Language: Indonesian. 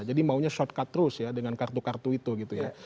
jadi maunya shortcut terus ya dengan kartu kartu itu gitu ya